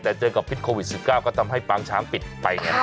แต่เจอกับพิษโควิด๑๙ก็ทำให้ปางช้างปิดไปแน่